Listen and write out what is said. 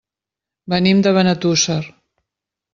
Venim de Benetússer.